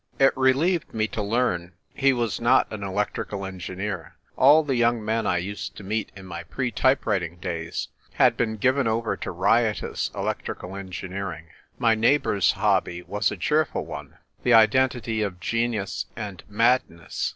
It relieved me to learn he was not an electrical engineer ; all the young men I used to meet in my prae type writing days had been given over to riotous electrical engineering. My neighbour's hobby was a cheerful one — the identity of genius and mad ness.